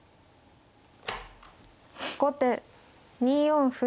後手２四歩。